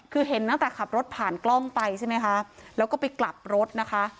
คือเห็นตั้งแต่ขับรถผ่านกล้องไปใช่ไหมคะแล้วก็ไปกลับรถนะคะ